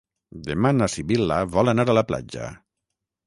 Demà na Sibil·la vol anar a la platja.